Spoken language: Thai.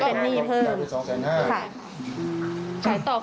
ขายต่อคนนี้ก็เพิ่มค่าหัวไปขายต่อนี้ก็เพิ่มค่าหัวไปอีก